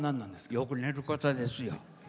よく寝ることですよ。